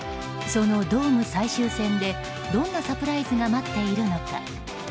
そのドーム最終戦でどんなサプライズが待っているのか。